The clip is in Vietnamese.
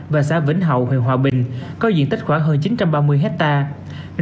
và xã vĩnh hậu huyện hòa bình có diện tích khoảng hơn chín trăm ba mươi hectare